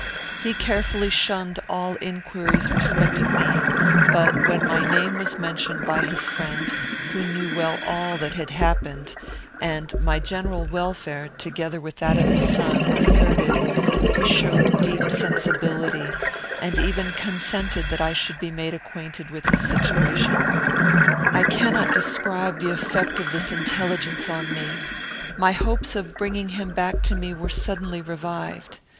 "He carefully shunned all inquiries respecting me; but, when my name was mentioned by his friend, who knew well all that had happened, and my general welfare, together with that of his son, asserted, he showed deep sensibility, and even consented that I should be made acquainted with his situation. "I cannot describe the effect of this intelligence on me. My hopes of bringing him back to me were suddenly revived.